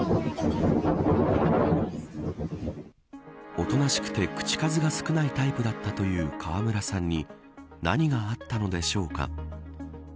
おとなしくて口数が少ないタイプだったという川村さんに何があったのでしょうか。